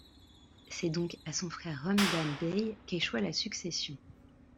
C'est donc à son frère Romdhane Bey qu'échoit la succession.